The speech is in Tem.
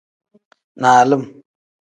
Nalim.